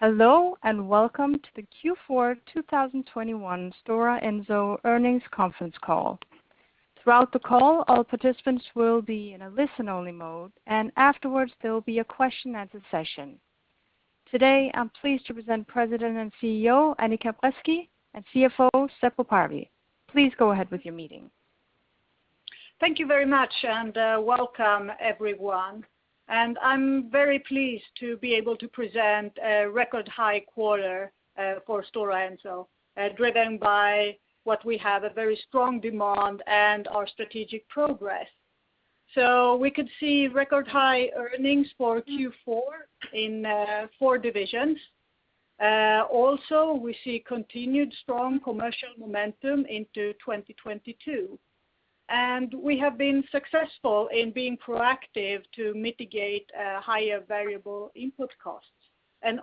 Hello, and welcome to the Q4 2021 Stora Enso Earnings Conference Call. Throughout the call, all participants will be in a listen-only mode, and afterwards there will be a question and answer session. Today, I'm pleased to present President and CEO, Annica Bresky, and CFO, Seppo Parvi. Please go ahead with your meeting. Thank you very much and welcome everyone. I'm very pleased to be able to present a record high quarter for Stora Enso, driven by what we have a very strong demand and our strategic progress. We could see record high earnings for Q4 in four divisions. Also we see continued strong commercial momentum into 2022. We have been successful in being proactive to mitigate higher variable input costs.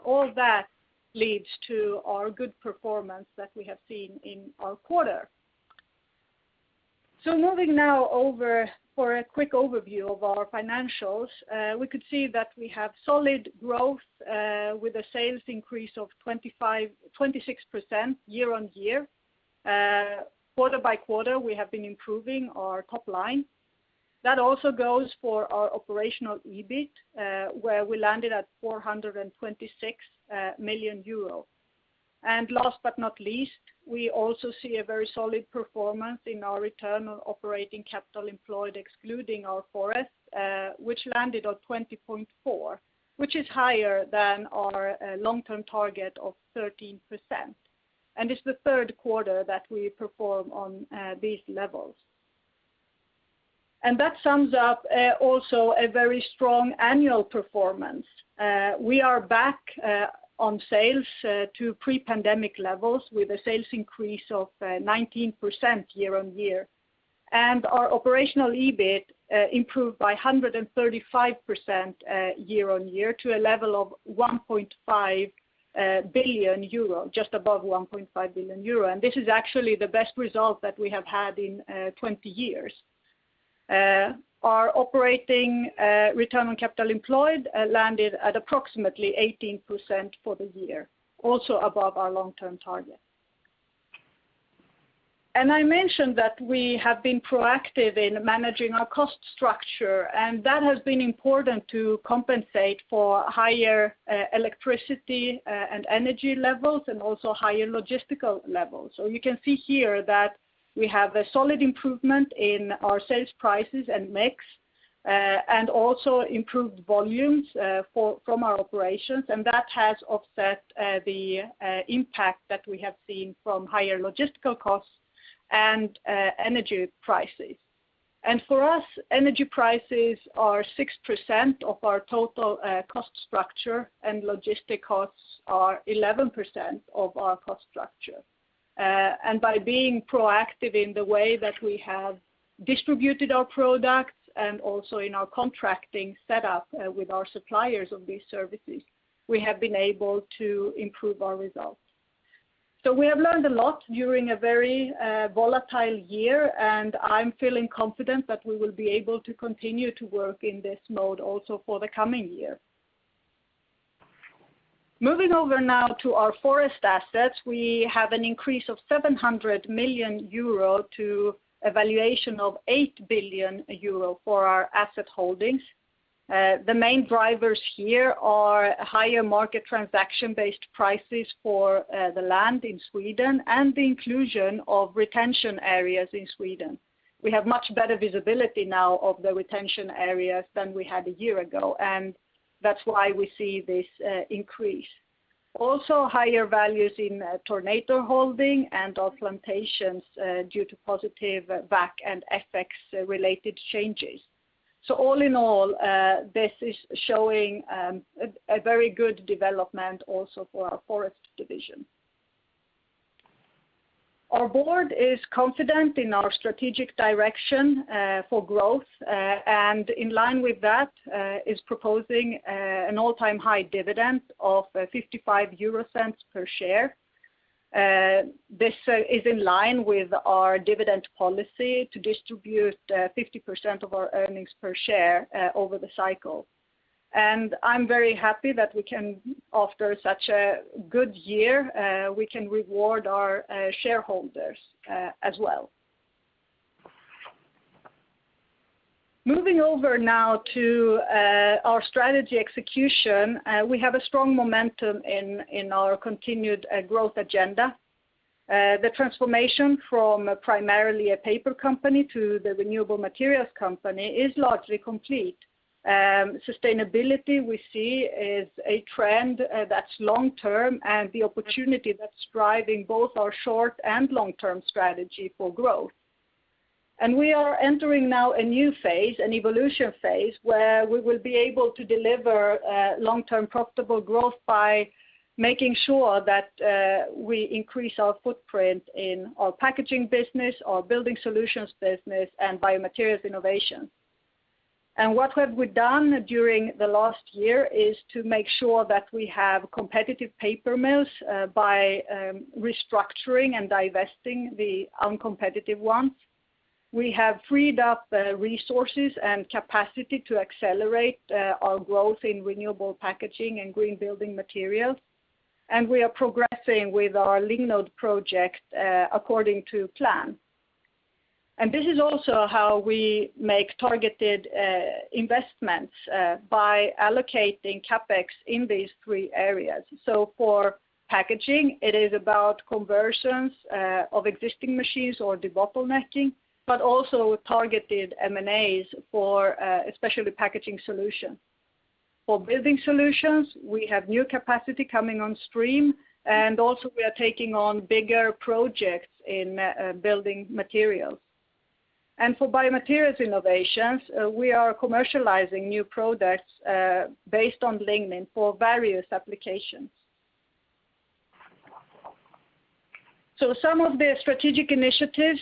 All that leads to our good performance that we have seen in our quarter. Moving now over for a quick overview of our financials. We could see that we have solid growth with a sales increase of 25-26% year-on-year. Quarter-by-quarter, we have been improving our top line. That also goes for our operational EBIT, where we landed at 426 million euro. Last but not least, we also see a very solid performance in our return on operating capital employed excluding our forest, which landed on 20.4, which is higher than our long-term target of 13%. It's the third quarter that we perform on these levels. That sums up also a very strong annual performance. We are back on sales to pre-pandemic levels with a sales increase of 19% year-on-year. Our operational EBIT improved by 135% year-on-year to a level of 1.5 billion euro, just above 1.5 billion euro. This is actually the best result that we have had in 20 years. Our operating return on capital employed landed at approximately 18% for the year, also above our long-term target. I mentioned that we have been proactive in managing our cost structure, and that has been important to compensate for higher electricity and energy levels and also higher logistical levels. You can see here that we have a solid improvement in our sales prices and mix, and also improved volumes from our operations, and that has offset the impact that we have seen from higher logistical costs and energy prices. For us, energy prices are 6% of our total cost structure, and logistic costs are 11% of our cost structure. By being proactive in the way that we have distributed our products and also in our contracting setup with our suppliers of these services, we have been able to improve our results. We have learned a lot during a very volatile year, and I'm feeling confident that we will be able to continue to work in this mode also for the coming year. Moving over now to our forest assets, we have an increase of 700 million euro to a valuation of 8 billion euro for our asset holdings. The main drivers here are higher market transaction-based prices for the land in Sweden and the inclusion of retention areas in Sweden. We have much better visibility now of the retention areas than we had a year ago, and that's why we see this increase. Also higher values in Tornator holding and our plantations due to positive FV and FX related changes. All in all, this is showing a very good development also for our Forest division. Our board is confident in our strategic direction for growth and in line with that is proposing an all-time high dividend of 0.55 per share. This is in line with our dividend policy to distribute 50% of our earnings per share over the cycle. I'm very happy that we can, after such a good year, we can reward our shareholders as well. Moving over now to our strategy execution, we have a strong momentum in our continued growth agenda. The transformation from primarily a paper company to the renewable materials company is largely complete. Sustainability, we see, is a trend that's long-term and the opportunity that's driving both our short and long-term strategy for growth. We are entering now a new phase, an evolution phase, where we will be able to deliver long-term profitable growth by making sure that we increase our footprint in our packaging business, our building solutions business, and biomaterials innovation. What have we done during the last year is to make sure that we have competitive paper mills by restructuring and divesting the uncompetitive ones. We have freed up resources and capacity to accelerate our growth in renewable packaging and green building materials. We are progressing with our Lignode project according to plan. This is also how we make targeted investments by allocating CapEx in these three areas. For packaging, it is about conversions of existing machines or debottlenecking, but also targeted M&As for especially packaging solution. For building solutions, we have new capacity coming on stream, and also we are taking on bigger projects in building materials. For biomaterials innovations, we are commercializing new products based on lignin for various applications. Some of the strategic initiatives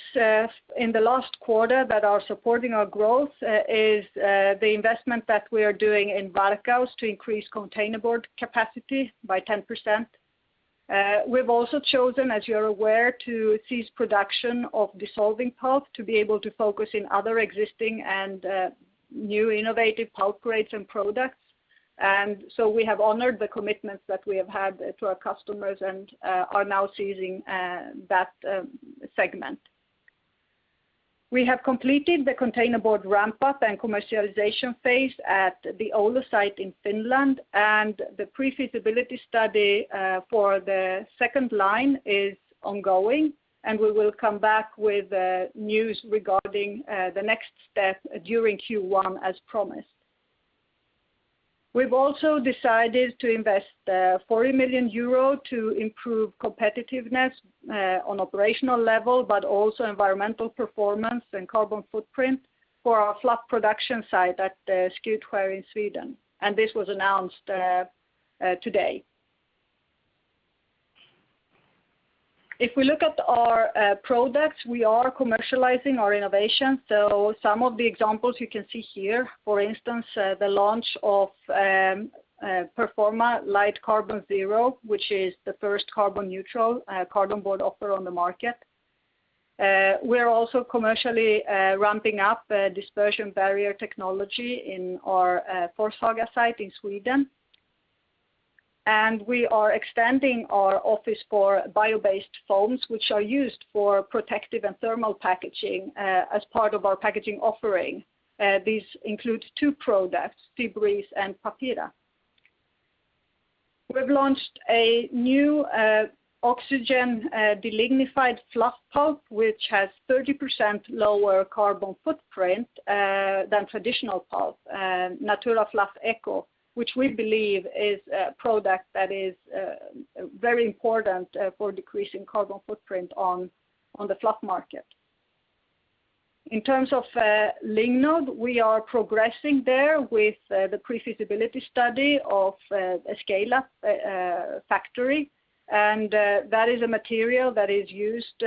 in the last quarter that are supporting our growth is the investment that we are doing in Varkaus to increase containerboard capacity by 10%. We've also chosen, as you are aware, to cease production of dissolving pulp to be able to focus in other existing and new innovative pulp grades and products. We have honored the commitments that we have had to our customers and are now ceasing that segment. We have completed the containerboard ramp-up and commercialization phase at the Oulu site in Finland, and the pre-feasibility study for the second line is ongoing, and we will come back with news regarding the next step during Q1 as promised. We've also decided to invest 40 million euro to improve competitiveness on operational level, but also environmental performance and carbon footprint for our fluff production site at Skutskär in Sweden, and this was announced today. If we look at our products, we are commercializing our innovation. Some of the examples you can see here, for instance, the launch of Performa Light CarbonZero, which is the first carbon neutral cartonboard offering on the market. We are also commercially ramping up a dispersion barrier technology in our Forshaga site in Sweden. We are expanding our offering for bio-based foams, which are used for protective and thermal packaging, as part of our packaging offering. These include two products, Fibrease and Papira. We've launched a new oxygen-delignified fluff pulp, which has 30% lower carbon footprint than traditional pulp, NaturaFluff Eco, which we believe is a product that is very important for decreasing carbon footprint on the fluff market. In terms of Lignode, we are progressing there with the pre-feasibility study of a scale-up factory. That is a material that is used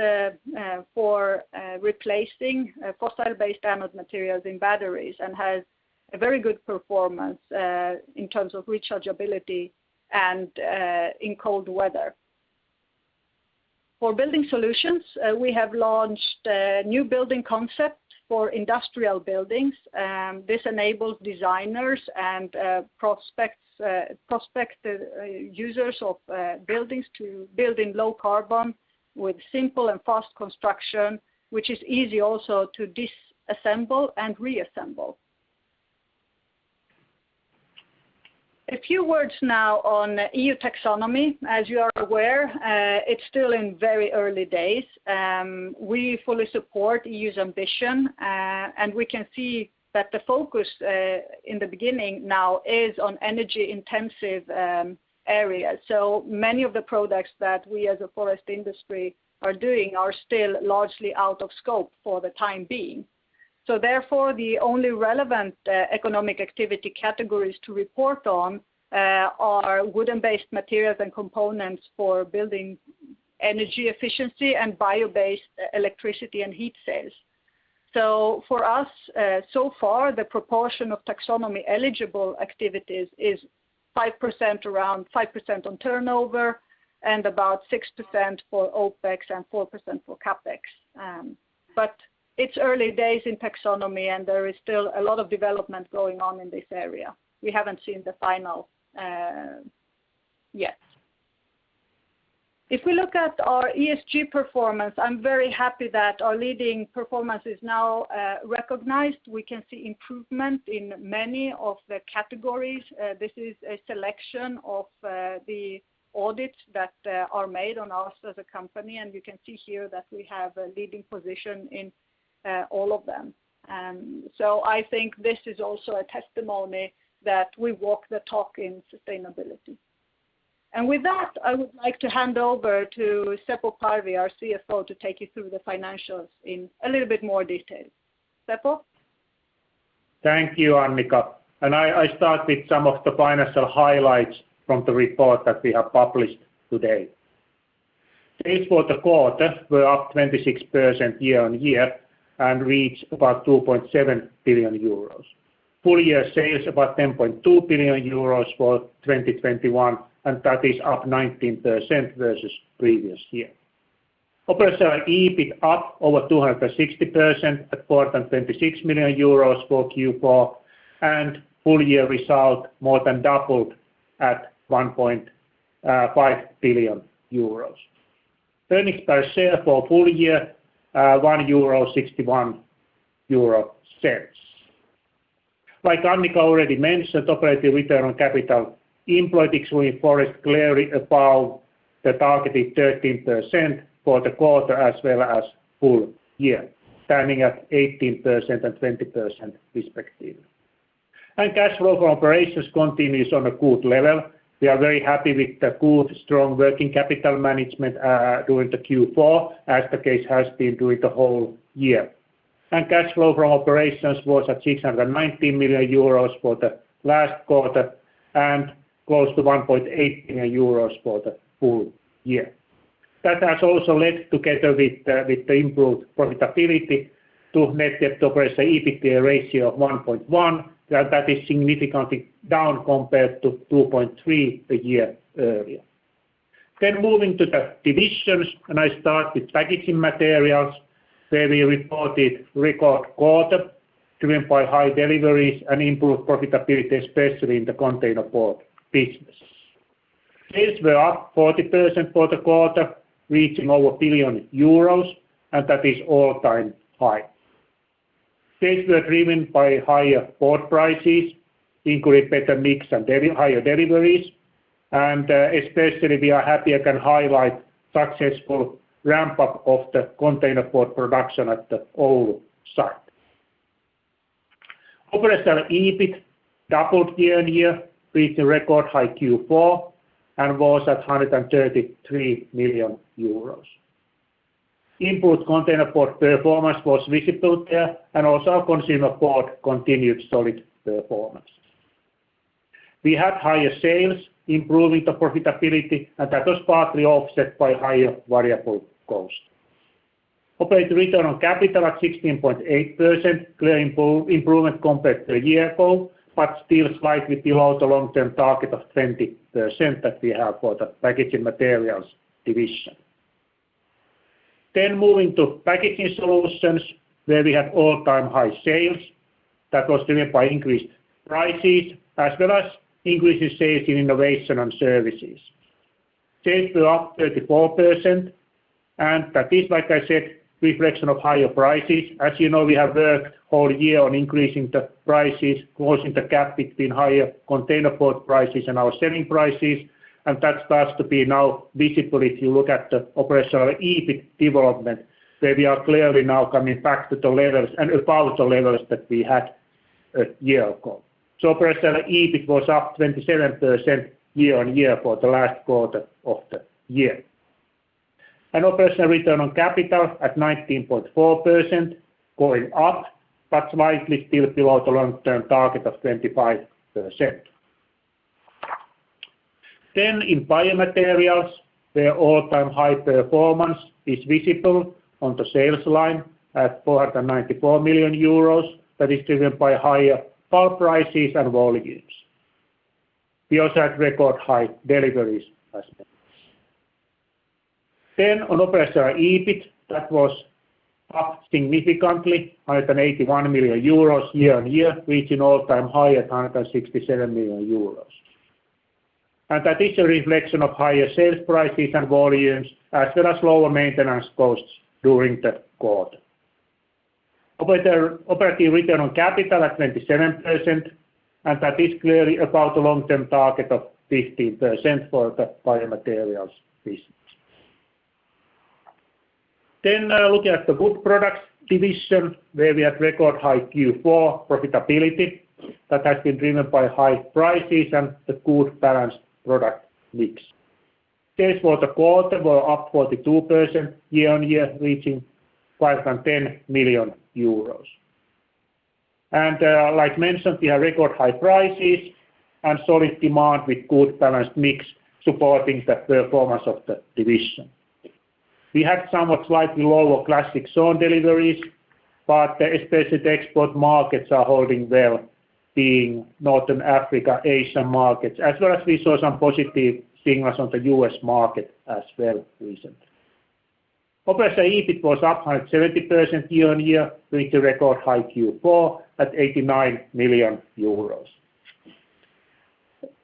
for replacing fossil-based anode materials in batteries and has a very good performance in terms of rechargeability and in cold weather. For building solutions, we have launched a new building concept for industrial buildings. This enables designers and prospective users of buildings to build in low carbon with simple and fast construction, which is easy also to disassemble and reassemble. A few words now on EU Taxonomy. As you are aware, it's still in very early days. We fully support EU's ambition, and we can see that the focus in the beginning now is on energy-intensive areas. Many of the products that we as a forest industry are doing are still largely out of scope for the time being. Therefore, the only relevant economic activity categories to report on are wood-based materials and components for building energy efficiency and bio-based electricity and heat sales. For us, so far, the proportion of Taxonomy-eligible activities is around 5% on turnover, and about 6% for OpEx and 4% for CapEx. It's early days in the Taxonomy, and there is still a lot of development going on in this area. We haven't seen the final yet. If we look at our ESG performance, I'm very happy that our leading performance is now recognized. We can see improvement in many of the categories. This is a selection of the audits that are made on us as a company, and you can see here that we have a leading position in all of them. I think this is also a testimony that we walk the talk in sustainability. With that, I would like to hand over to Seppo Parvi, our CFO, to take you through the financials in a little bit more detail. Seppo? Thank you, Annica. I start with some of the financial highlights from the report that we have published today. Sales for the quarter were up 26% year-on-year and reached about 2.7 billion euros. Full-year sales about 10.2 billion euros for 2021, and that is up 19% versus previous year. Operational EBIT up over 260% at 426 million euros for Q4, and full-year result more than doubled at 1.5 billion euros. Earnings per share for full year, 1.61 euro. Like Annica already mentioned, operating return on capital employed, ROCE clearly above the targeted 13% for the quarter as well as full year, standing at 18% and 20% respectively. Cash flow from operations continues on a good level. We are very happy with the good strong working capital management during the Q4 as the case has been during the whole year. Cash flow from operations was at 619 million euros for the last quarter and close to 1.8 billion euros for the full year. That has also led, together with the improved profitability, to net debt to operational EBITDA ratio of 1.1. That is significantly down compared to 2.3 a year earlier. Moving to the divisions, I start with Packaging Materials, where we reported record quarter driven by high deliveries and improved profitability, especially in the container board business. Sales were up 40% for the quarter, reaching over 1 billion euros, and that is all-time high. Sales were driven by higher board prices, including better mix and higher deliveries. Especially we are happy I can highlight successful ramp-up of the containerboard production at the Oulu site. Operational EBIT doubled year-on-year, reached a record high Q4, and was at 133 million euros. Improved containerboard performance was visible there, and also our consumer board continued solid performance. We had higher sales, improving the profitability, and that was partly offset by higher variable costs. Operating return on capital at 16.8%, clear improvement compared to a year ago, but still slightly below the long-term target of 20% that we have for the packaging materials division. Moving to packaging solutions, where we had all-time high sales that was driven by increased prices as well as increased sales in innovation and services. Sales were up 34% and that is, like I said, reflection of higher prices. As you know, we have worked all year on increasing the prices, closing the gap between higher containerboard prices and our selling prices, and that starts to be now visible if you look at the operational EBIT development, where we are clearly now coming back to the levels and above the levels that we had a year ago. Operational EBIT was up 27% year-on-year for the last quarter of the year. Operational return on capital at 19.4%, going up but slightly still below the long-term target of 25%. In Biomaterials, where all-time high performance is visible on the sales line at 494 million euros, that is driven by higher pulp prices and volumes. We also had record high deliveries as well. On operational EBIT, that was up significantly, 181 million euros year-on-year, reaching all-time high at 167 million euros. That is a reflection of higher sales prices and volumes, as well as lower maintenance costs during the quarter. Operating return on capital at 27%, and that is clearly above the long-term target of 15% for the biomaterials business. Looking at the Wood Products division, where we had record high Q4 profitability that has been driven by high prices and the good balanced product mix. Sales for the quarter were up 42% year-on-year, reaching EUR 510 million. As mentioned, we have record high prices and solid demand with good balanced mix supporting the performance of the division. We had somewhat slightly lower Classic Sawn deliveries, but especially the export markets are holding well, being North Africa, Asian markets, as well as we saw some positive signals on the U.S. market as well recently. Operational EBIT was up 170% year-on-year, reaching record high Q4 at 89 million euros.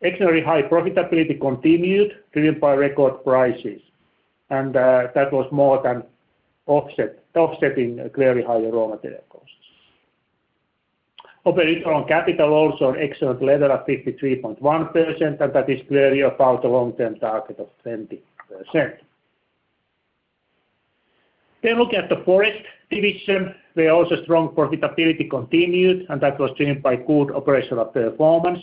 Excellent high profitability continued, driven by record prices, and that was more than offsetting clearly higher raw material costs. Operating return on capital also on excellent level at 53.1%, and that is clearly above the long-term target of 20%. Looking at the Forest division, where also strong profitability continued, and that was driven by good operational performance.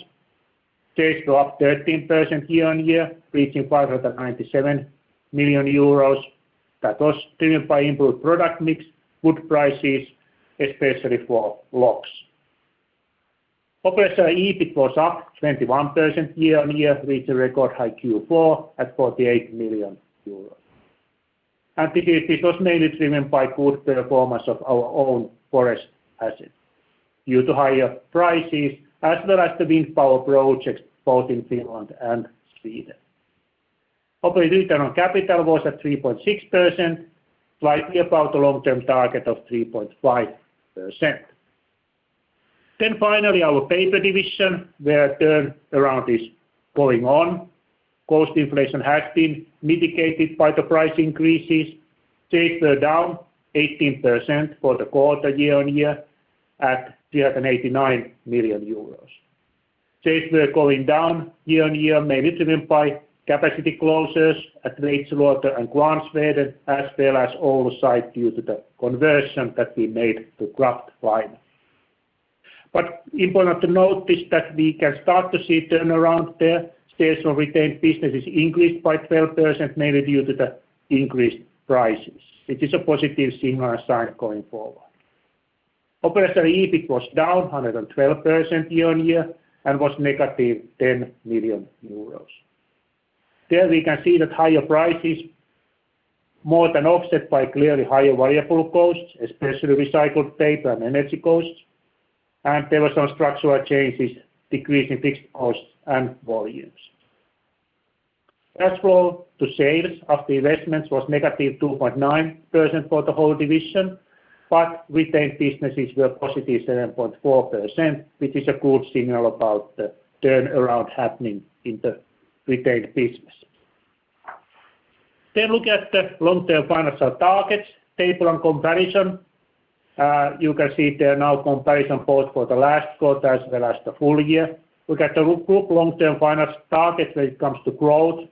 Sales were up 13% year-on-year, reaching 597 million euros. That was driven by improved product mix, wood prices, especially for logs. Operational EBIT was up 21% year-on-year, reaching record-high Q4 at EUR 48 million. This was mainly driven by good performance of our own forest assets due to higher prices, as well as the wind power projects both in Finland and Sweden. Operating return on capital was at 3.6%, slightly above the long-term target of 3.5%. Finally, our Paper division, where turnaround is going on, cost inflation has been mitigated by the price increases. Sales were down 18% for the quarter year-on-year at 389 million euros. Sales were going down year-on-year, mainly driven by capacity closures at Veitsiluoto and Kvarnsveden, as well as Oulu site due to the conversion that we made to kraftliner. Important to note is that we can start to see turnaround there. Sales from retained businesses increased by 12%, mainly due to the increased prices, which is a positive signal and sign going forward. Operating EBIT was down 112% year-on-year and was negative 10 million euros. There we can see that higher prices were more than offset by clearly higher variable costs, especially recycled paper and energy costs. There were some structural changes, decrease in fixed costs and volumes. Cash flow to sales after investments was -2.9% for the whole division, but retained businesses were positive 7.4%, which is a good signal about the turnaround happening in the retained businesses. Look at the long-term financial targets table and comparison. You can see there now comparison both for the last quarter as well as the full year. Look at the group long-term financial targets when it comes to growth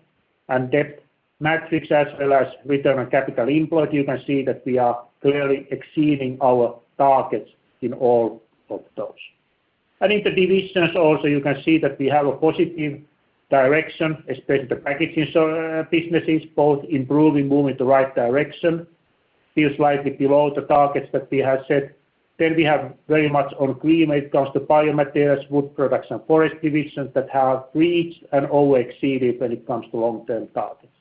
and debt metrics, as well as return on capital employed. You can see that we are clearly exceeding our targets in all of those. In the divisions also, you can see that we have a positive direction, especially the packaging businesses, both improving, moving the right direction. Still slightly below the targets that we have set. We have very much on green when it comes to biomaterials, wood products and forest divisions that have reached and over exceeded when it comes to long-term targets.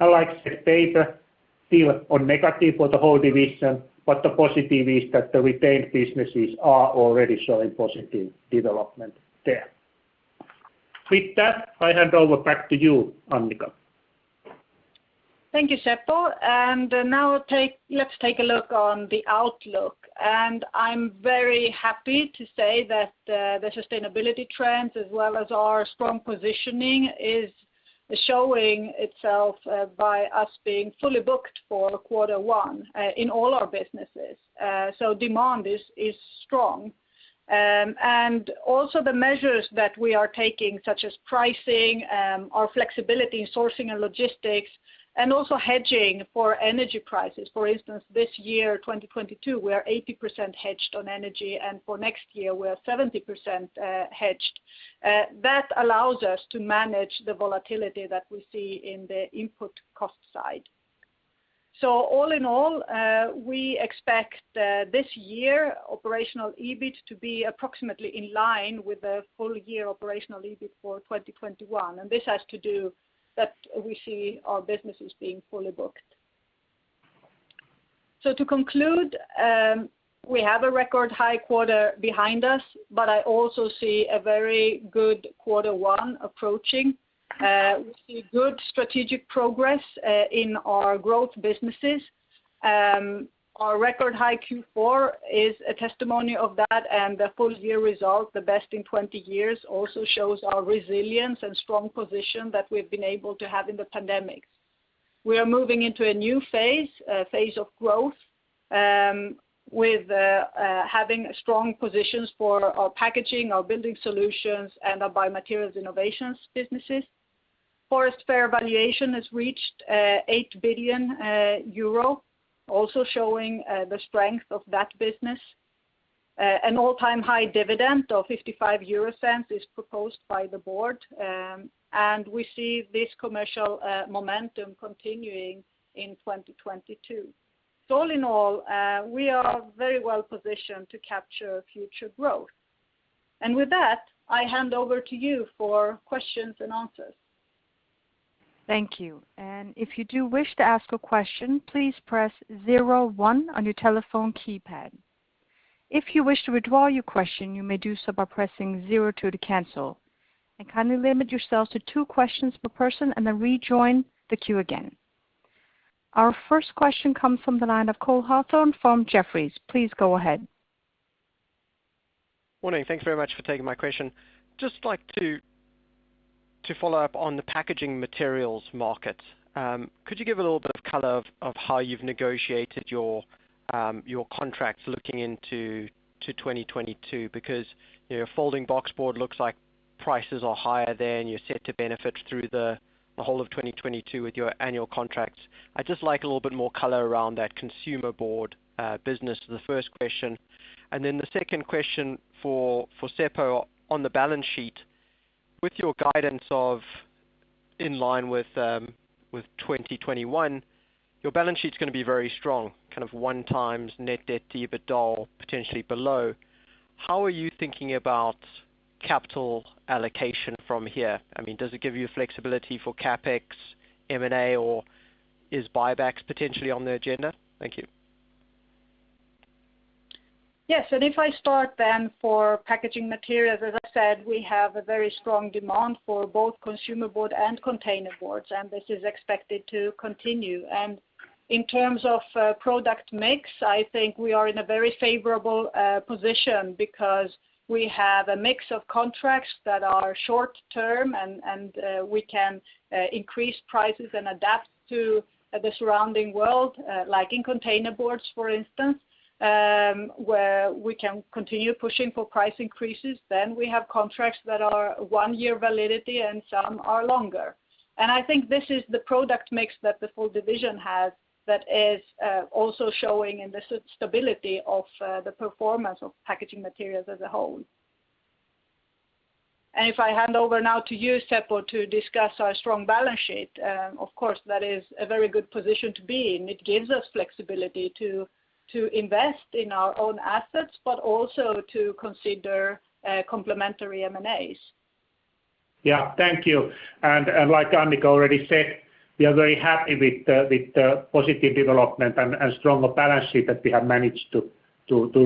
As said, paper still on negative for the whole division, but the positive is that the retained businesses are already showing positive development there. With that, I hand over back to you, Annica. Thank you, Seppo. Now let's take a look at the outlook. I'm very happy to say that the sustainability trends as well as our strong positioning is showing itself by us being fully booked for quarter one in all our businesses. Demand is strong. Also the measures that we are taking, such as pricing, our flexibility in sourcing and logistics, and also hedging for energy prices. For instance, this year, 2022, we are 80% hedged on energy, and for next year, we are 70% hedged. That allows us to manage the volatility that we see in the input cost side. All in all, we expect this year operational EBIT to be approximately in line with the full year operational EBIT for 2021. This has to do with the fact that we see our businesses being fully booked. To conclude, we have a record high quarter behind us, but I also see a very good quarter one approaching. We see good strategic progress in our growth businesses. Our record high Q4 is a testimony of that, and the full year result, the best in 20 years, also shows our resilience and strong position that we've been able to have in the pandemic. We are moving into a new phase, a phase of growth, with having strong positions for our packaging, our building solutions, and our biomaterials innovations businesses. Forest fair value has reached 8 billion euro, also showing the strength of that business. An all-time high dividend of 0.55 is proposed by the board. We see this commercial momentum continuing in 2022. All in all, we are very well positioned to capture future growth. With that, I hand over to you for questions and answers. Thank you. If you do wish to ask a question, please press zero one on your telephone keypad. If you wish to withdraw your question, you may do so by pressing zero two to cancel. Kindly limit yourself to two questions per person, and then rejoin the queue again. Our first question comes from the line of Cole Hathorn from Jefferies. Please go ahead. Good morning. Thanks very much for taking my question. Just like to follow up on the packaging materials market. Could you give a little bit of color on how you've negotiated your contracts looking into 2022? Because, you know, folding box board looks like prices are higher there, and you're set to benefit through the whole of 2022 with your annual contracts. I'd just like a little bit more color around that consumer board business as the first question. Then the second question for Seppo on the balance sheet. With your guidance of in line with 2021, your balance sheet's gonna be very strong, kind of one times net debt to EBITDA, potentially below. How are you thinking about capital allocation from here. I mean, does it give you flexibility for CapEx, M&A, or is buybacks potentially on the agenda? Thank you. Yes. If I start then for Packaging Materials, as I said, we have a very strong demand for both consumer board and container boards, and this is expected to continue. In terms of product mix, I think we are in a very favorable position because we have a mix of contracts that are short term, and we can increase prices and adapt to the surrounding world, like in container boards, for instance, where we can continue pushing for price increases. We have contracts that are one year validity and some are longer. I think this is the product mix that the full division has that is also showing in the stability of the performance of Packaging Materials as a whole. If I hand over now to you, Seppo, to discuss our strong balance sheet, of course, that is a very good position to be in. It gives us flexibility to invest in our own assets, but also to consider complementary M&As. Yeah. Thank you. Like Annica already said, we are very happy with the positive development and stronger balance sheet that we have managed to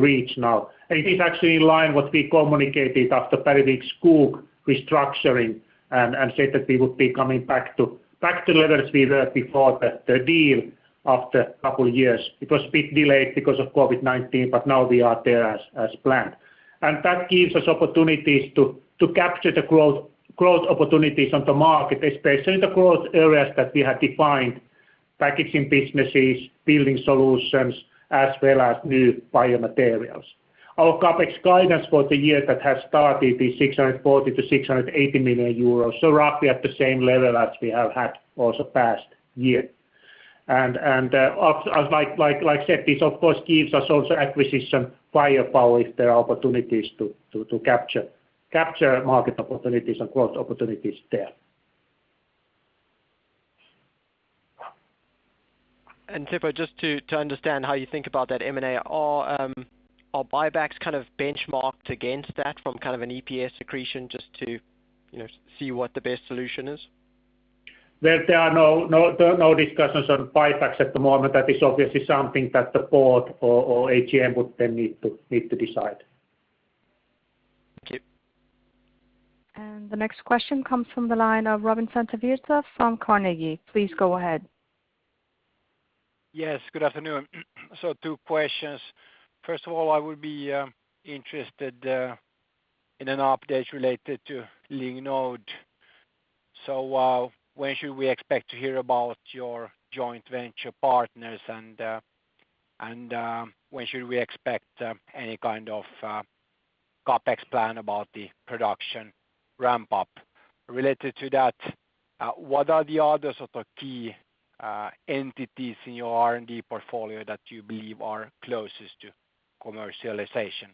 reach now. It is actually in line what we communicated after Bergvik Skog restructuring and said that we would be coming back to levels we were before the deal after a couple of years. It was a bit delayed because of COVID-19, but now we are there as planned. That gives us opportunities to capture the growth opportunities on the market, especially in the growth areas that we have defined, packaging businesses, building solutions, as well as new biomaterials. Our CapEx guidance for the year that has started is 640 million-680 million euros, so roughly at the same level as we have had also past year. As like said, this of course gives us also acquisition firepower if there are opportunities to capture market opportunities and growth opportunities there. Seppo, just to understand how you think about that M&A, are buybacks kind of benchmarked against that from kind of an EPS accretion just to, you know, see what the best solution is? Well, there are no discussions on buybacks at the moment. That is obviously something that the board or AGM would then need to decide. Thank you. The next question comes from the line of Robin Santavirta from Carnegie. Please go ahead. Yes, good afternoon. Two questions. First of all, I would be interested in an update related to Lignode. When should we expect to hear about your joint venture partners, and when should we expect any kind of CapEx plan about the production ramp-up? Related to that, what are the other key entities in your R&D portfolio that you believe are closest to commercialization?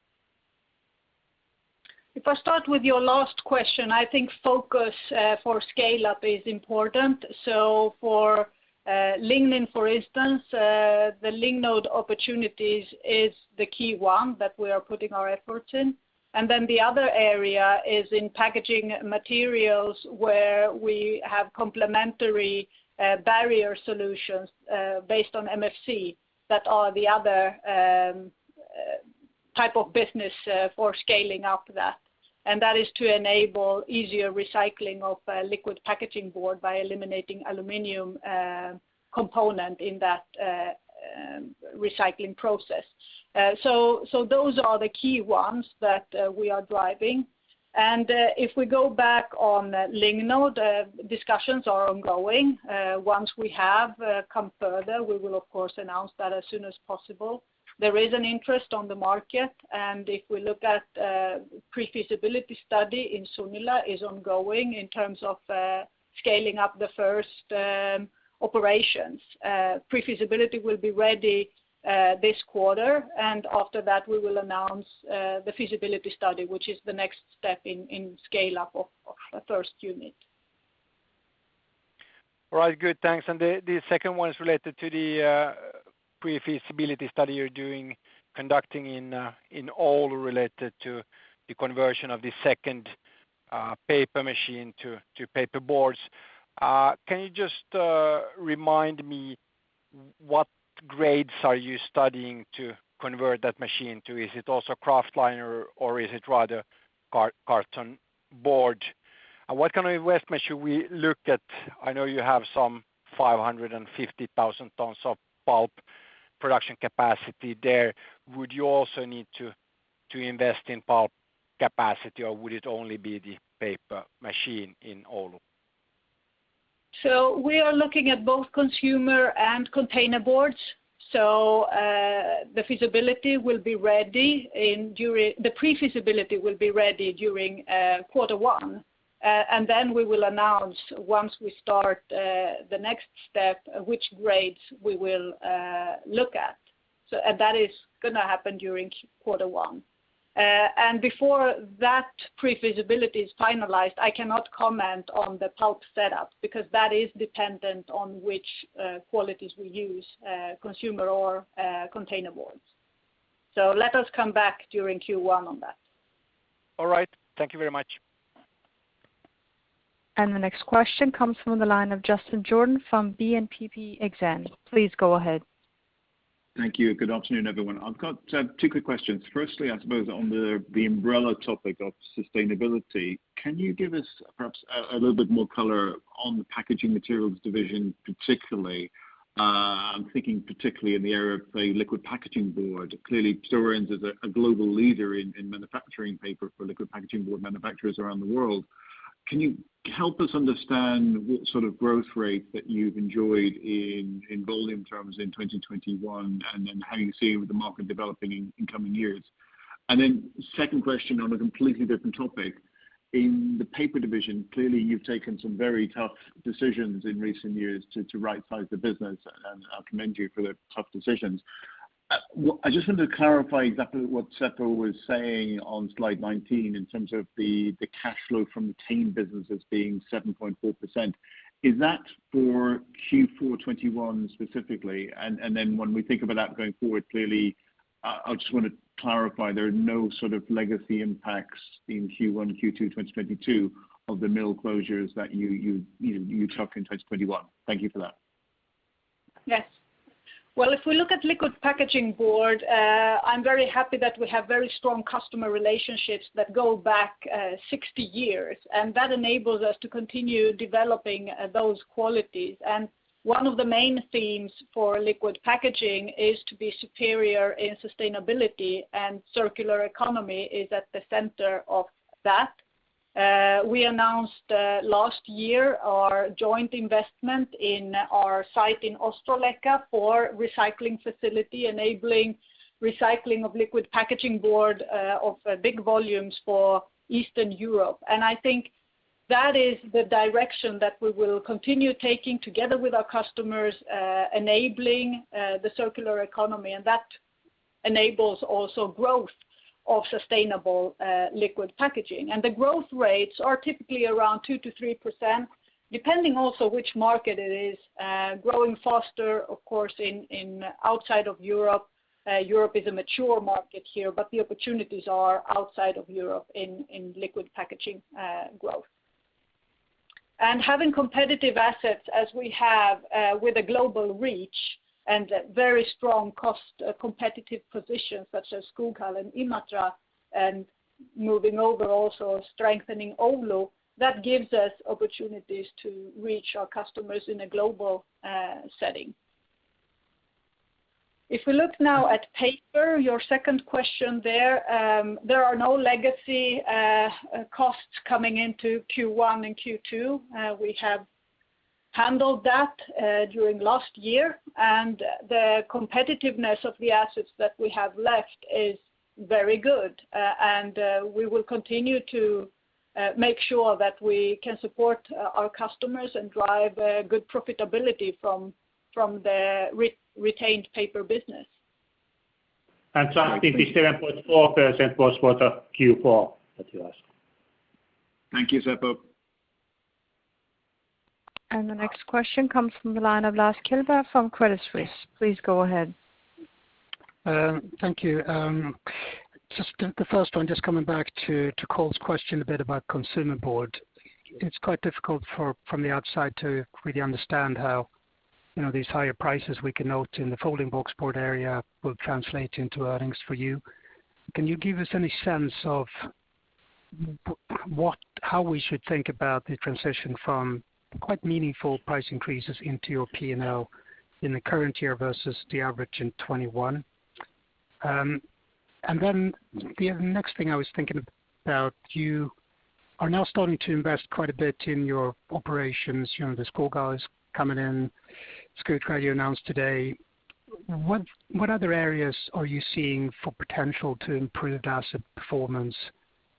If I start with your last question, I think focus for scale-up is important. For lignin, for instance, the Lignode opportunities is the key one that we are putting our efforts in. The other area is in packaging materials where we have complementary barrier solutions based on MFC that are the other type of business for scaling up that. That is to enable easier recycling of liquid packaging board by eliminating aluminum component in that recycling process. Those are the key ones that we are driving. If we go back on Lignode, discussions are ongoing. Once we have come further, we will of course announce that as soon as possible. There is an interest on the market, and if we look at pre-feasibility study in Sunila is ongoing in terms of scaling up the first operations. Pre-feasibility will be ready this quarter, and after that, we will announce the feasibility study, which is the next step in scale-up of the first unit. All right. Good. Thanks. The second one is related to the pre-feasibility study you're conducting in Oulu related to the conversion of the second paper machine to paper boards. Can you just remind me what grades are you studying to convert that machine to? Is it also kraftliner or is it rather carton board? And what kind of investment should we look at? I know you have some 550,000 tons of pulp production capacity there. Would you also need to invest in pulp capacity, or would it only be the paper machine in Oulu? We are looking at both consumer and container boards. The pre-feasibility will be ready during quarter one, and then we will announce once we start the next step, which grades we will look at. That is gonna happen during quarter one. Before that pre-feasibility is finalized, I cannot comment on the pulp setup because that is dependent on which qualities we use, consumer or container boards. Let us come back during Q1 on that. All right. Thank you very much. The next question comes from the line of Justin Jordan from BNPP Exane. Please go ahead. Thank you. Good afternoon, everyone. I've got two quick questions. First, I suppose on the umbrella topic of sustainability, can you give us perhaps a little bit more color on the packaging materials division, particularly, I'm thinking particularly in the area of the liquid packaging board. Clearly, Stora Enso is a global leader in manufacturing paper for liquid packaging board manufacturers around the world. Can you help us understand what sort of growth rate that you've enjoyed in volume terms in 2021, and then how you see the market developing in coming years? Second question on a completely different topic. In the paper division, clearly, you've taken some very tough decisions in recent years to right-size the business, and I commend you for the tough decisions. I just wanted to clarify exactly what Seppo was saying on Slide 19 in terms of the cash flow from retained businesses being 7.4%. Is that for Q4 2021 specifically? Then when we think about that going forward, clearly, I just wanna clarify there are no sort of legacy impacts in Q1, Q2 2022 of the mill closures that you took in 2021. Thank you for that. Yes. Well, if we look at liquid packaging board, I'm very happy that we have very strong customer relationships that go back 60 years, and that enables us to continue developing those qualities. One of the main themes for liquid packaging is to be superior in sustainability and circular economy is at the center of that. We announced last year our joint investment in our site in Ostrołęka for recycling facility, enabling recycling of liquid packaging board of big volumes for Eastern Europe. I think that is the direction that we will continue taking together with our customers, enabling the circular economy, and that enables also growth of sustainable liquid packaging. The growth rates are typically around 2%-3%, depending also which market it is, growing faster, of course, in outside of Europe. Europe is a mature market here, but the opportunities are outside of Europe in liquid packaging growth. Having competitive assets as we have with a global reach and a very strong cost competitive position such as Skoghall and Imatra, and moving over also strengthening Oulu, that gives us opportunities to reach our customers in a global setting. If we look now at paper, your second question there are no legacy costs coming into Q1 and Q2. We have handled that during last year, and the competitiveness of the assets that we have left is very good. We will continue to make sure that we can support our customers and drive a good profitability from the retained paper business. I think the 7.4% was for the Q4 that you asked. Thank you, Seppo. The next question comes from the line of Lars Kjellberg from Credit Suisse. Please go ahead. Thank you. Just coming back to Cole's question a bit about consumer board. It's quite difficult from the outside to really understand how, you know, these higher prices we can note in the folding box board area will translate into earnings for you. Can you give us any sense of what, how we should think about the transition from quite meaningful price increases into your P&L in the current year versus the average in 2021? The next thing I was thinking about, you are now starting to invest quite a bit in your operations. You know, the Skoghall is coming in. Skoghall you announced today. What other areas are you seeing for potential to improve asset performance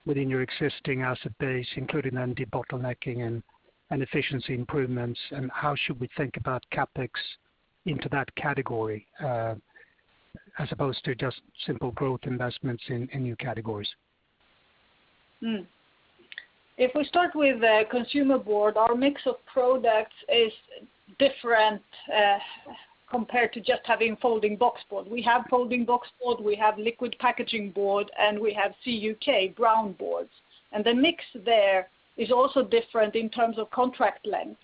within your existing asset base, including then debottlenecking and efficiency improvements, and how should we think about CapEx into that category, as opposed to just simple growth investments in new categories? If we start with the consumer board, our mix of products is different compared to just having folding box board. We have folding box board, we have liquid packaging board, and we have CUK brown boards. The mix there is also different in terms of contract lengths.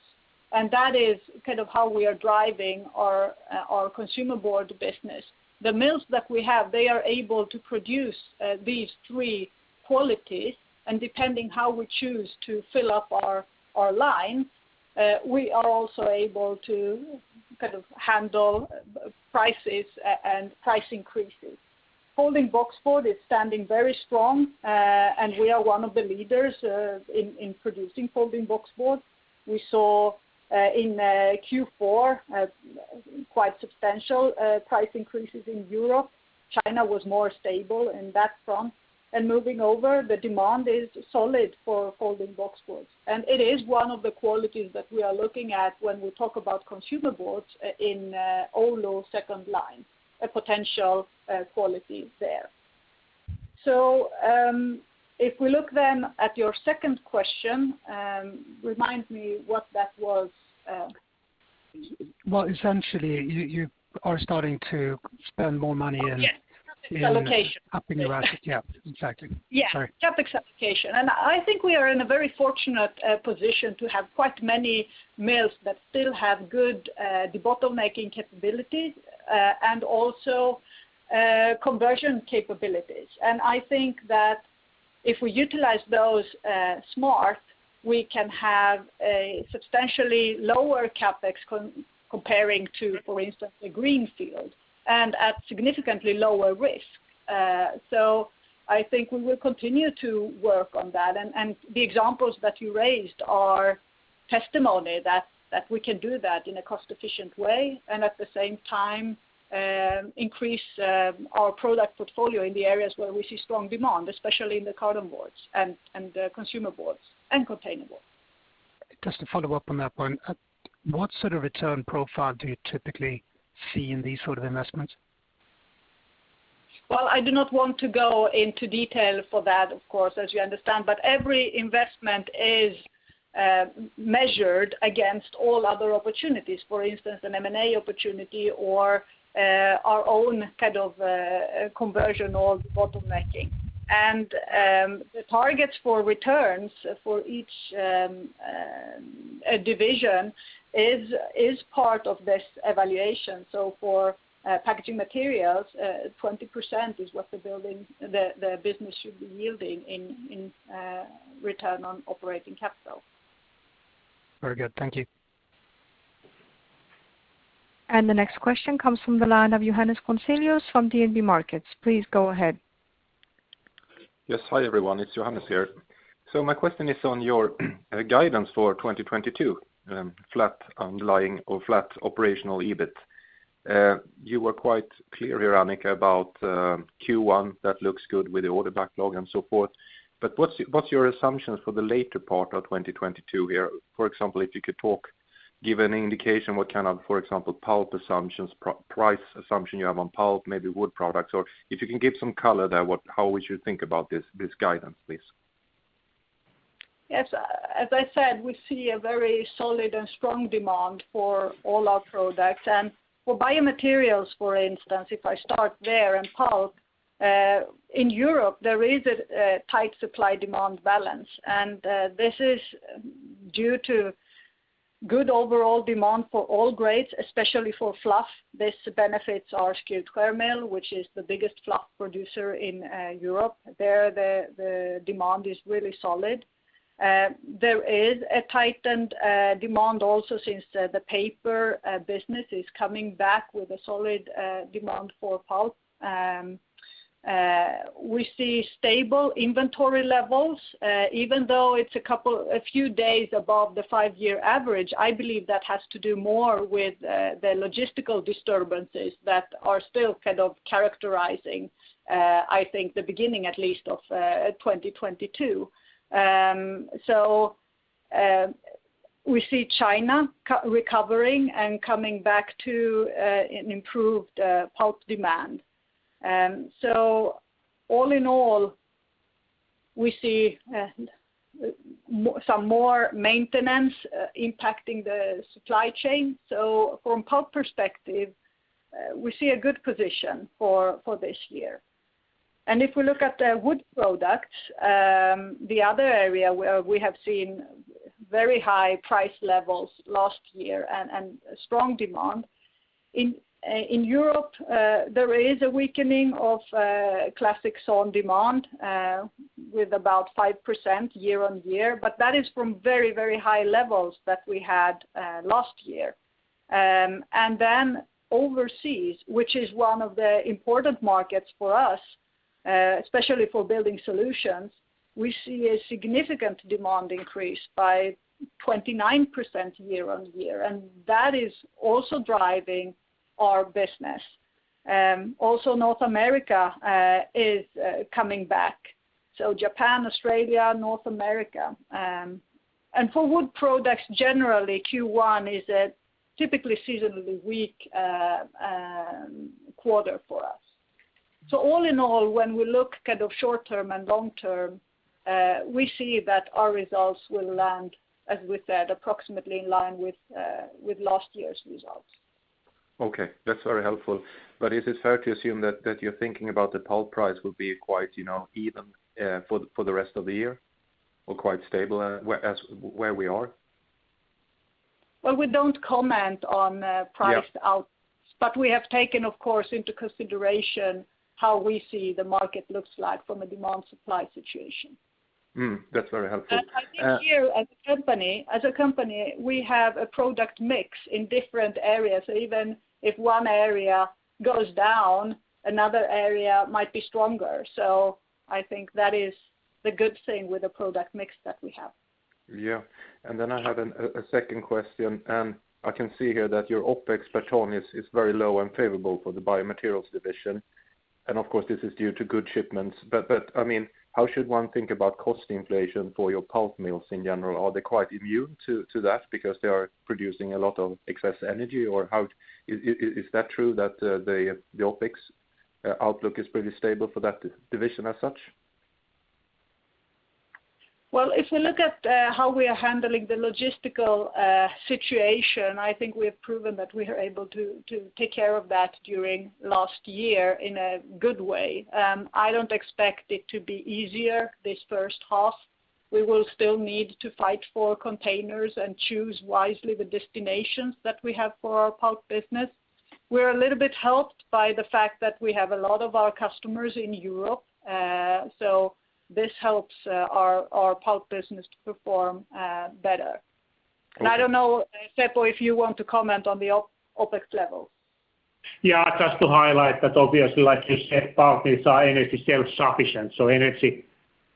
That is kind of how we are driving our consumer board business. The mills that we have, they are able to produce these three qualities. Depending how we choose to fill up our line, we are also able to kind of handle prices and price increases. Folding box board is standing very strong, and we are one of the leaders in producing folding box board. We saw in Q4 quite substantial price increases in Europe. China was more stable in that front. Moving over, the demand is solid for folding box boards. It is one of the qualities that we are looking at when we talk about consumer boards in Oulu second line, a potential quality there. If we look then at your second question, remind me what that was. Well, essentially, you are starting to spend more money in. Oh, yes. in upping your CapEx allocation. Yeah, exactly. Sorry. Yeah. CapEx allocation. I think we are in a very fortunate position to have quite many mills that still have good debottlenecking capabilities and also conversion capabilities. I think that if we utilize those smart, we can have a substantially lower CapEx comparing to, for instance, a greenfield, and at significantly lower risk. So I think we will continue to work on that. The examples that you raised are testimony that we can do that in a cost-efficient way, and at the same time, increase our product portfolio in the areas where we see strong demand, especially in the carton boards and the consumer boards and container board. Just to follow up on that point, at what sort of return profile do you typically see in these sort of investments? Well, I do not want to go into detail for that, of course, as you understand. Every investment is measured against all other opportunities, for instance, an M&A opportunity or our own kind of conversion or bottlenecking. The targets for returns for each division is part of this evaluation. For Packaging Materials, 20% is what the business should be yielding in return on operating capital. Very good. Thank you. The next question comes from the line of Johannes Grunselius from DNB Markets. Please go ahead. Yes. Hi, everyone. It's Johannes here. My question is on your guidance for 2022 flat underlying or flat operational EBIT. You were quite clear here, Annica, about Q1 that looks good with the order backlog and so forth. What's your assumptions for the later part of 2022 here? For example, if you could give an indication what kind of, for example, pulp assumptions, price assumption you have on pulp, maybe wood products. Or if you can give some color there, how we should think about this guidance, please? Yes. As I said, we see a very solid and strong demand for all our products. For biomaterials, for instance, if I start there, and pulp in Europe, there is a tight supply-demand balance. This is due to good overall demand for all grades, especially for fluff. This benefits our Skutskär mill, which is the biggest fluff producer in Europe. There, the demand is really solid. There is a tightened demand also since the paper business is coming back with a solid demand for pulp. We see stable inventory levels. Even though it's a few days above the five-year average, I believe that has to do more with the logistical disturbances that are still kind of characterizing, I think the beginning at least of 2022. We see China co-recovering and coming back to an improved pulp demand. All in all, we see some more maintenance impacting the supply chain. From pulp perspective, we see a good position for this year. If we look at the wood products, the other area where we have seen very high price levels last year and strong demand in Europe, there is a weakening of Classic Sawn demand with about 5% year-on-year, but that is from very, very high levels that we had last year. Overseas, which is one of the important markets for us, especially for building solutions, we see a significant demand increase by 29% year-on-year, and that is also driving our business. Also North America is coming back, so Japan, Australia, North America. For wood products, generally, Q1 is a typically seasonally weak quarter for us. All in all, when we look kind of short term and long term, we see that our results will land, as we said, approximately in line with last year's results. Okay. That's very helpful. Is it fair to assume that you're thinking about the pulp price will be quite, you know, even, for the rest of the year, or quite stable as where we are? Well, we don't comment on price out- Yeah. We have taken, of course, into consideration how we see the market looks like from a demand-supply situation. That's very helpful. I think here as a company, we have a product mix in different areas. Even if one area goes down, another area might be stronger. I think that is the good thing with the product mix that we have. Yeah. I have a second question. I can see here that your OpEx per ton is very low and favorable for the biomaterials division. Of course, this is due to good shipments. I mean, how should one think about cost inflation for your pulp mills in general? Are they quite immune to that because they are producing a lot of excess energy? Is that true that the OpEx outlook is pretty stable for that division as such? Well, if you look at how we are handling the logistical situation, I think we have proven that we are able to take care of that during last year in a good way. I don't expect it to be easier this first half. We will still need to fight for containers and choose wisely the destinations that we have for our pulp business. We're a little bit helped by the fact that we have a lot of our customers in Europe. So this helps our pulp business to perform better. I don't know, Seppo, if you want to comment on the OpEx levels. Yeah, just to highlight that obviously, like you said, pulp is our energy self-sufficient, so energy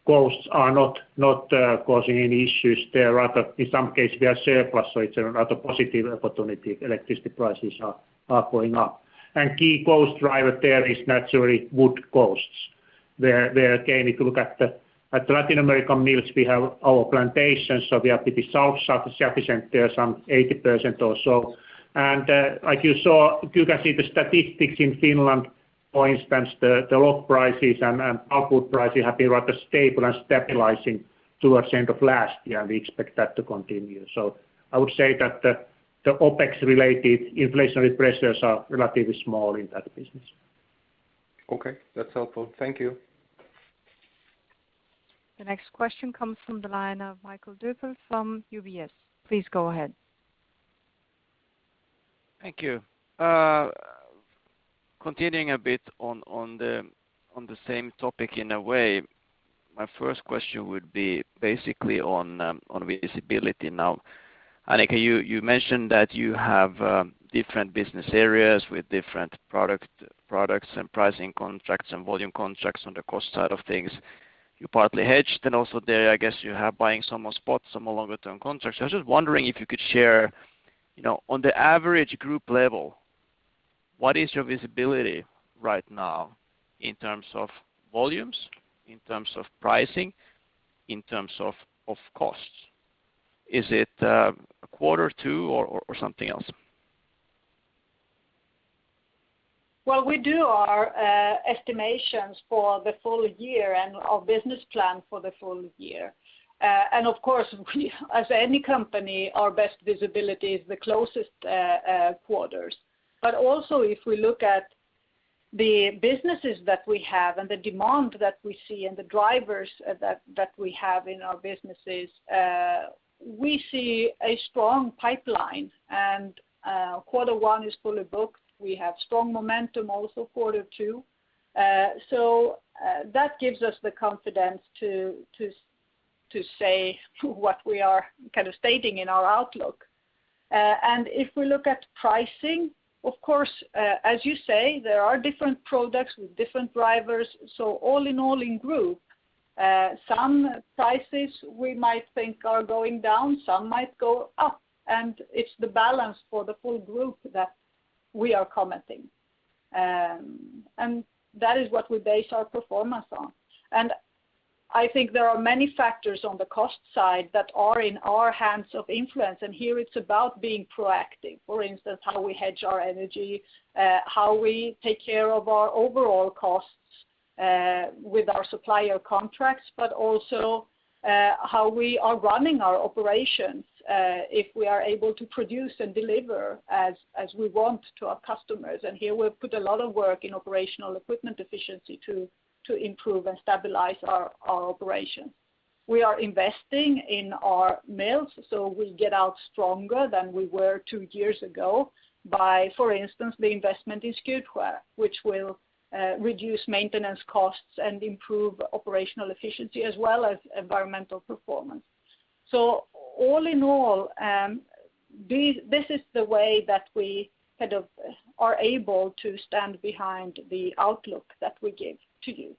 costs are not causing any issues there. Rather, in some case we are surplus, so it's a rather positive opportunity, electricity prices are going up. Key cost driver there is naturally wood costs. Where again, if you look at the Latin American mills, we have our plantations, so we are pretty self-sufficient there, some 80% or so. Like you saw, you can see the statistics in Finland, for instance, the log prices and output prices have been rather stable and stabilizing towards end of last year, and we expect that to continue. I would say that the OpEx related inflationary pressures are relatively small in that business. Okay, that's helpful. Thank you. The next question comes from the line of Mikael Doepel from UBS. Please go ahead. Thank you. Continuing a bit on the same topic in a way, my first question would be basically on visibility now. Annica, you mentioned that you have different business areas with different products and pricing contracts and volume contracts on the cost side of things. You partly hedged, and also there, I guess you have some buying on spot, some on longer term contracts. I was just wondering if you could share, you know, on the average group level, what is your visibility right now in terms of volumes, in terms of pricing, in terms of costs? Is it a quarter or two or something else? Well, we do our estimations for the full year and our business plan for the full year. Of course, we as any company, our best visibility is the closest quarters. Also, if we look at the businesses that we have and the demand that we see and the drivers that we have in our businesses, we see a strong pipeline. Quarter one is fully booked. We have strong momentum also quarter two. That gives us the confidence to say what we are kind of stating in our outlook. If we look at pricing, of course, as you say, there are different products with different drivers. All in all in group, some prices we might think are going down, some might go up, and it's the balance for the full group that we are commenting. That is what we base our performance on. I think there are many factors on the cost side that are in our hands of influence, and here it's about being proactive. For instance, how we hedge our energy, how we take care of our overall costs with our supplier contracts, but also, how we are running our operations, if we are able to produce and deliver as we want to our customers. Here we've put a lot of work in operational equipment efficiency to improve and stabilize our operations. We are investing in our mills, so we get out stronger than we were two years ago by, for instance, the investment in Skutskär, which will reduce maintenance costs and improve operational efficiency as well as environmental performance. All in all, this is the way that we kind of are able to stand behind the outlook that we give to you.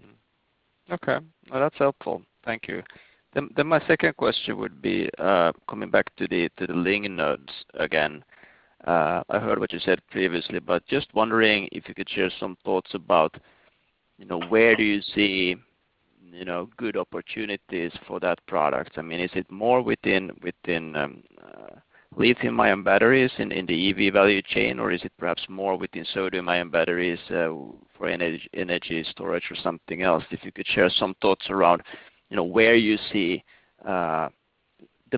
Mm-hmm. Okay. Well, that's helpful. Thank you. My second question would be coming back to the Lignode® again. I heard what you said previously, but just wondering if you could share some thoughts about, you know, where do you see, you know, good opportunities for that product. I mean, is it more within lithium-ion batteries in the EV value chain, or is it perhaps more within sodium-ion batteries for energy storage or something else. If you could share some thoughts around, you know, where you see the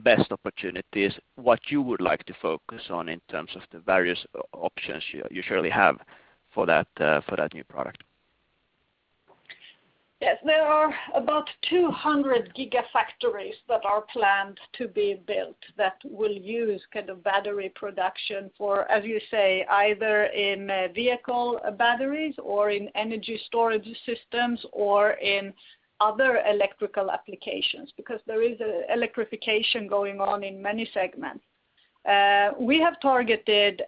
best opportunities, what you would like to focus on in terms of the various options you surely have for that new product. Yes. There are about 200 gigafactories that are planned to be built that will use kind of battery production for, as you say, either in vehicle batteries or in energy storage systems or in other electrical applications, because there is a electrification going on in many segments. We have targeted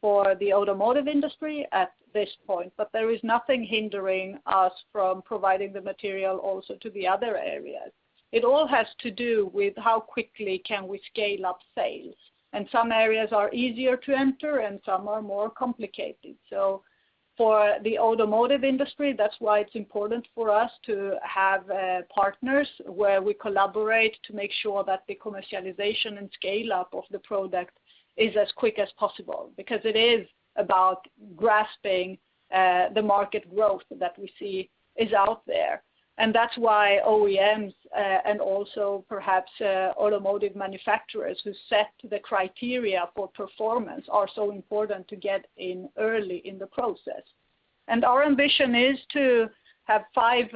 for the automotive industry at this point, but there is nothing hindering us from providing the material also to the other areas. It all has to do with how quickly can we scale up sales, and some areas are easier to enter and some are more complicated. For the automotive industry, that's why it's important for us to have partners where we collaborate to make sure that the commercialization and scale-up of the product is as quick as possible because it is about grasping the market growth that we see is out there. That's why OEMs and also perhaps automotive manufacturers who set the criteria for performance are so important to get in early in the process. Our ambition is to have five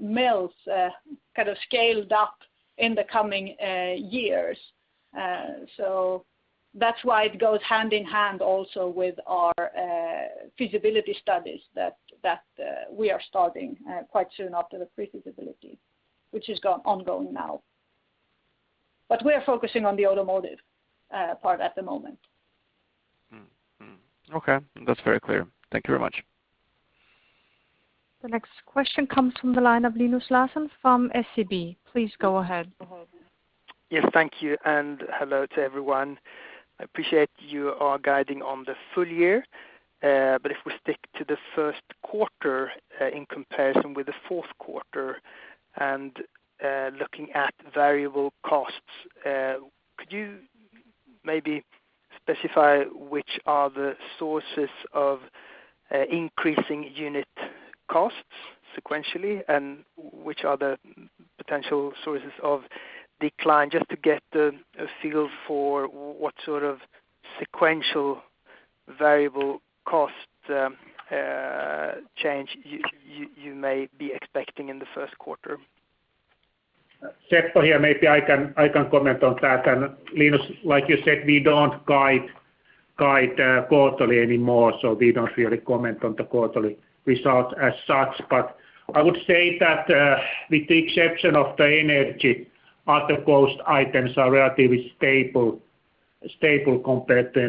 mills kind of scaled up in the coming years. That's why it goes hand in hand also with our feasibility studies that we are starting quite soon after the pre-feasibility, which is ongoing now. We are focusing on the automotive part at the moment. Okay. That's very clear. Thank you very much. The next question comes from the line of Linus Larsson from SEB. Please go ahead. Yes, thank you, and hello to everyone. I appreciate you are guiding on the full year. If we stick to the first quarter, in comparison with the fourth quarter and, looking at variable costs, could you maybe specify which are the sources of increasing unit costs sequentially, and which are the potential sources of decline, just to get a feel for what sort of sequential variable cost change you may be expecting in the first quarter? Seppo here. Maybe I can comment on that. Linus, like you said, we don't guide quarterly anymore, so we don't really comment on the quarterly results as such. I would say that, with the exception of the energy, other cost items are relatively stable compared to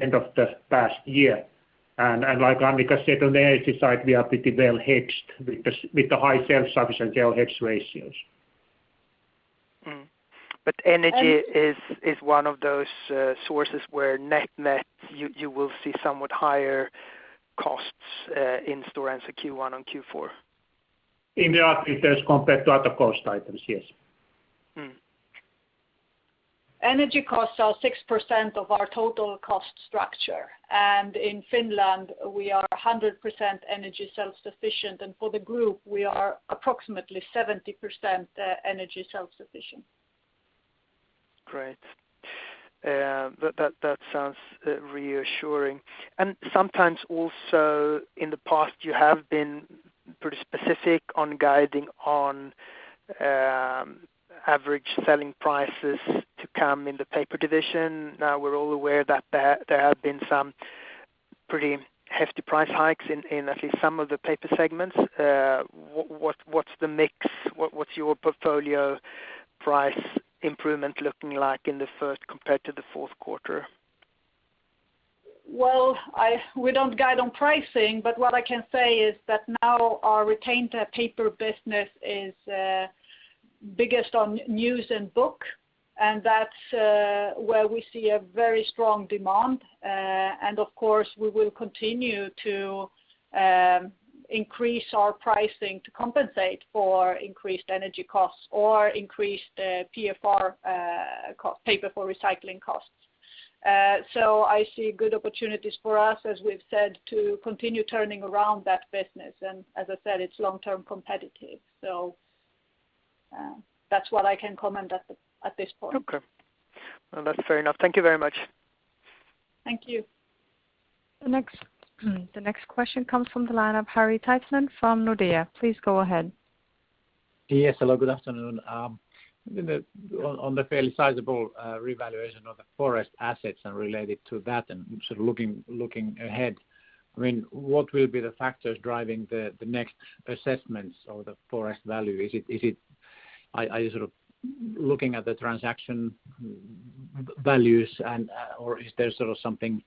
end of the past year. Like Annica said, on the energy side, we are pretty well hedged with the high self-sufficiency and geographical hedge ratios. Mm. But energy is- And- This is one of those sources where net-net, you will see somewhat higher costs in Stora Enso Q1 on Q4. In the articles compared to other cost items, yes. Mm. Energy costs are 6% of our total cost structure. In Finland, we are 100% energy self-sufficient. For the group, we are approximately 70% energy self-sufficient. Great. That sounds reassuring. Sometimes also in the past, you have been pretty specific on guiding on average selling prices to come in the Paper division. Now we're all aware that there have been some pretty hefty price hikes in at least some of the Paper segments. What's the mix? What's your portfolio price improvement looking like in the first compared to the fourth quarter? Well, we don't guide on pricing, but what I can say is that now our retained paper business is biggest on news and book, and that's where we see a very strong demand. Of course, we will continue to increase our pricing to compensate for increased energy costs or increased PFR cost, paper for recycling costs. I see good opportunities for us, as we've said, to continue turning around that business. As I said, it's long-term competitive. That's what I can comment at this point. Okay. Well, that's fair enough. Thank you very much. Thank you. The next question comes from the line of Harri Taittonen from Nordea. Please go ahead. Yes. Hello, good afternoon. On the fairly sizable revaluation of the forest assets and related to that and sort of looking ahead, I mean, what will be the factors driving the next assessments of the forest value? Are you sort of looking at the transaction values and or is there sort of something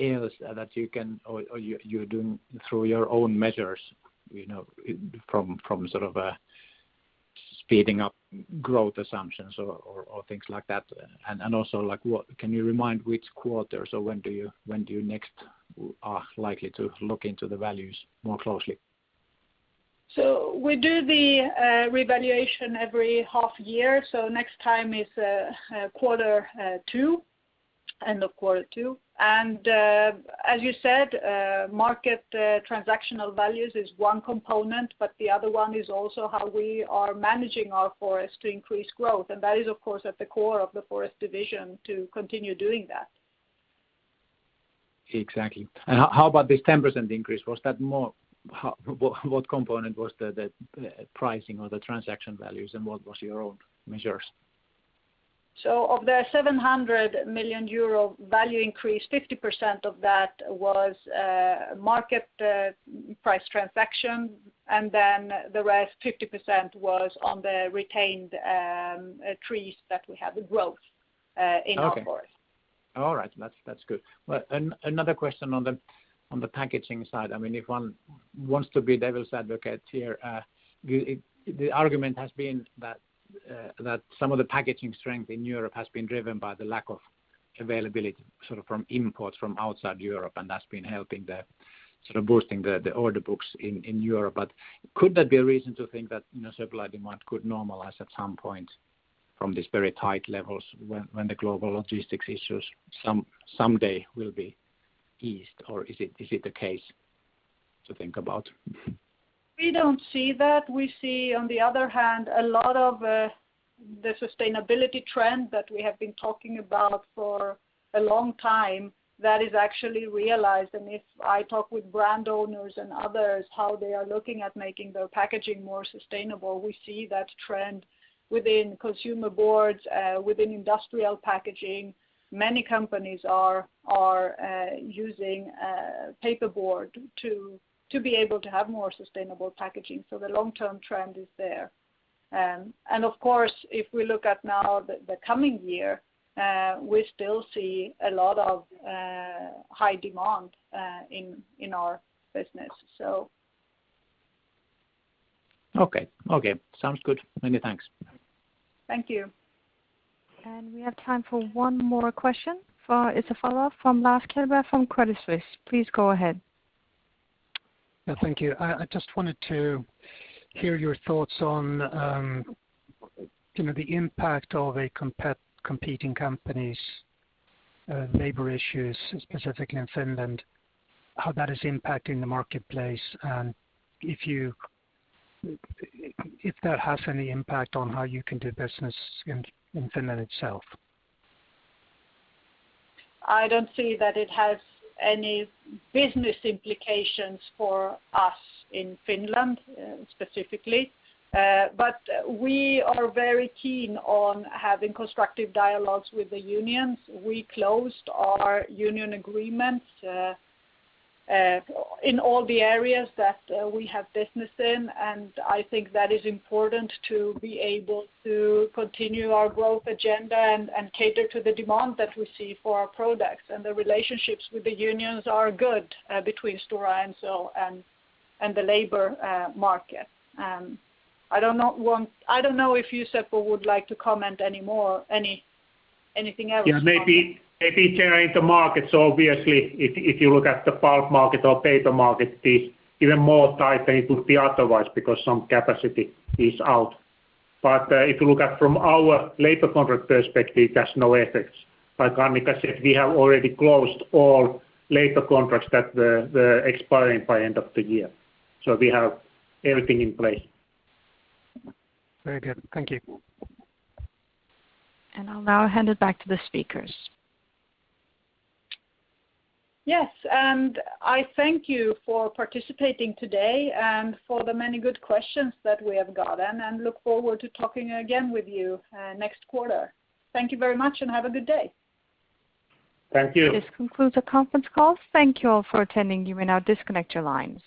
else that you can or you're doing through your own measures, you know, from sort of speeding up growth assumptions or things like that? Also like, can you remind which quarters or when do you next are likely to look into the values more closely? We do the revaluation every half year, so next time is quarter two, end of quarter two. As you said, market transactional values is one component, but the other one is also how we are managing our forest to increase growth. That is, of course, at the core of the Forest division to continue doing that. Exactly. How about this 10% increase? Was that what component was the pricing or the transaction values and what was your own measures? Of the 700 million euro value increase, 50% of that was market price transaction, and then the rest, 50%, was on the retained trees that we have, the growth. Okay. In our Forest. All right. That's good. Well, another question on the packaging side. I mean, if one wants to be devil's advocate here, the argument has been that some of the packaging strength in Europe has been driven by the lack of availability sort of from imports from outside Europe, and that's been helping sort of boosting the order books in Europe. Could that be a reason to think that, you know, supply and demand could normalize at some point from this very tight levels when the global logistics issues someday will be eased? Is it the case to think about? We don't see that. We see on the other hand a lot of the sustainability trend that we have been talking about for a long time that is actually realized. If I talk with brand owners and others, how they are looking at making their packaging more sustainable, we see that trend within consumer boards within industrial packaging. Many companies are using paperboard to be able to have more sustainable packaging. The long-term trend is there. Of course, if we look at now the coming year, we still see a lot of high demand in our business. Okay. Okay, sounds good. Many thanks. Thank you. We have time for one more question. It's a follow-up from Lars Kjellberg from Credit Suisse. Please go ahead. Yeah, thank you. I just wanted to hear your thoughts on, you know, the impact of a competing company's labor issues, specifically in Finland, how that is impacting the marketplace, and if that has any impact on how you can do business in Finland itself. I don't see that it has any business implications for us in Finland, specifically. We are very keen on having constructive dialogs with the unions. We closed our union agreements in all the areas that we have business in, and I think that is important to be able to continue our growth agenda and cater to the demand that we see for our products. The relationships with the unions are good between Stora Enso and the labor market. I don't know if you, Seppo, would like to comment any more, anything else on that. Yeah, maybe there in the markets, obviously, if you look at the pulp market or paper market is even more tight than it would be otherwise because some capacity is out. If you look at from our labor contract perspective, it has no effects. Like Annica said, we have already closed all labor contracts that were expiring by end of the year. We have everything in place. Very good. Thank you. I'll now hand it back to the speakers. Yes, and I thank you for participating today and for the many good questions that we have gotten, and look forward to talking again with you, next quarter. Thank you very much, and have a good day. Thank you. This concludes the conference call. Thank you all for attending. You may now disconnect your lines.